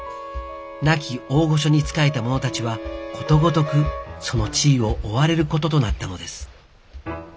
亡き大御所に仕えた者たちはことごとくその地位を追われることとなったのです。